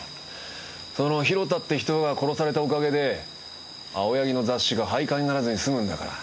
その広田って人が殺されたおかげで青柳の雑誌が廃刊にならずに済むんだから。